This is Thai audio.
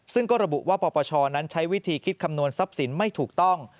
ซึ่งก็ระบุว่าปปชนั้นใช้วิธีคิดคำนวณทรัพย์สินไม่ถูกต้อง